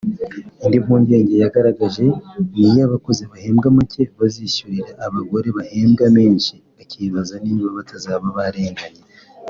Indi mpungenge yagaragaje n’iy’abakozi bahembwa make bazishyurira abagore bahembwa menshi akibaza niba batazaba barenganye